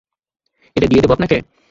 এটা দিয়ে দেব আপনাকে?